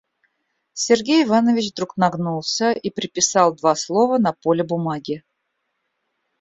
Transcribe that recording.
Сергей Иванович вдруг нагнулся и приписал два слова на поле бумаги.